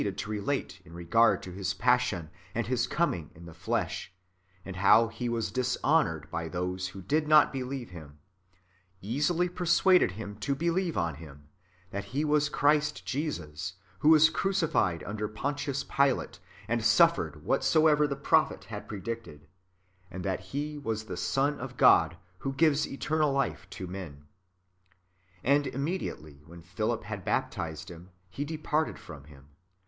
457 ceecled to relate in regard to Ills passion and His coming in the flesh, and how He was dishonoured by those who did not believe Him ; easily persuaded him to believe on Him, that He was Christ Jesus, who was craclfied under Pontius Pilate, and suffered whatsoever the prophet had pre dicted, and that Pie was the Son of God, who gives eternal life to men. And immediately when [Philip] had baptized him, he departed from him.